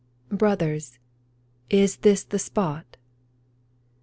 Brothers, is this the spot